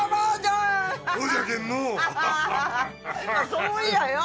そういやよ